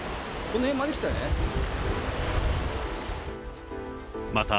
この辺まで来た。